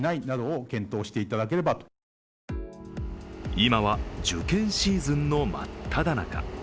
今は受検シーズンの真っただ中。